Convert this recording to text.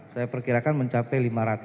saya perkirakan mencapai lima ratus